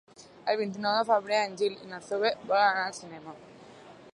El vint-i-nou de febrer en Gil i na Zoè volen anar al cinema.